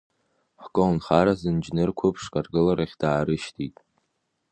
Ҳколнхаразы нџьныр қәыԥшк, аргыларахь даарышьҭит.